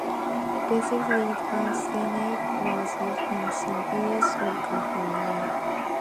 Basic lead arsenate was used in some areas of California.